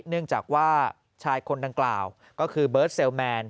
เนื่องจากว่าชายคนดังกล่าวก็คือเบิร์ตเซลแมน